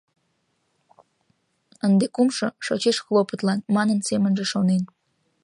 «Ынде кумшо... шочеш хлопотлан», — манын, семынже шонен.